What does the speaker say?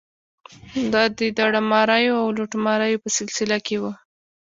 دا د داړه ماریو او لوټماریو په سلسله کې وه.